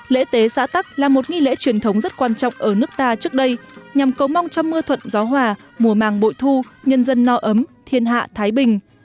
lễ tế xã tắc là một nghi lễ truyền thống rất quan trọng ở nước ta trước đây nhằm cầu mong cho mưa thuận gió hòa mùa màng bội thu nhân dân no ấm thiên hạ thái bình